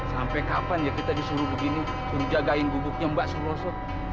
sampai kapan ya kita disuruh begini menjaga induknya mbak suruh so